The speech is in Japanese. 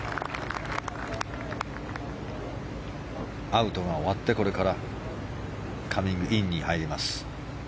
アウトが終わって、これからカミングインに入ります。